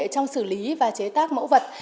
trong xử lý và chế tác mẫu vật